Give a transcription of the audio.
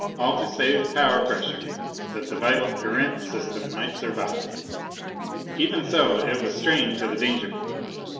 All, to save power pressure, that the vital Erentz system might survive. Even so, it was strained to the danger point.